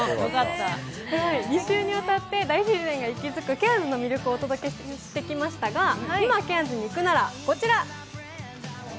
２週にわたって大自然が息づくケアンズの様子をお届けしてきましたが今、ケアンズに行くならこちら。